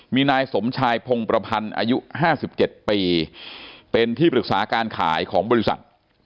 มีนายสมชายพงประพันธ์อายุ๕๗ปีเป็นที่ปรึกษาการขายของบริษัท